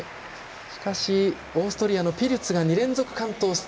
しかし、オーストリアのピルツが２連続完登。